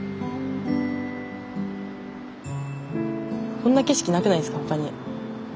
こんな景色なくないですか他に。